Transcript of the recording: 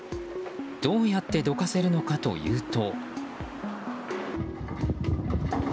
どうやってどかせるのかというと。